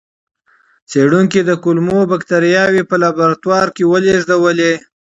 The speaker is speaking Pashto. څېړونکي د کولمو بکتریاوې په لابراتوار کې ولېږدولې.